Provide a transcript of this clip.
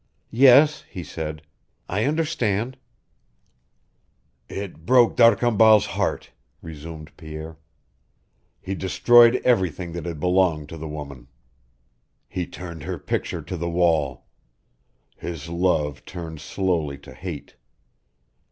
"Yes," he said, "I understand." "It broke D'Arcambal's heart," resumed Pierre. "He destroyed everything that had belonged to the woman. He turned her picture to the wall. His love turned slowly to hate.